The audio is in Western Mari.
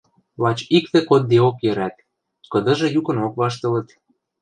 Лач иктӹ коддеок йӹрӓт, кыдыжы юкынок ваштылыт.